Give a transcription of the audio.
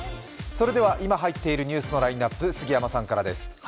それでは今入っているニュースのラインナップ、杉山さんからです。